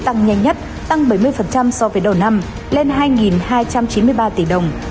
tổng nợ xấu nội bản của hai mươi bảy ngân hàng nhất tăng bảy mươi so với đầu năm lên hai hai trăm chín mươi ba tỷ đồng